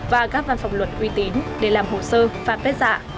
và các văn phòng luật uy tín để làm hồ sơ phát vết dạ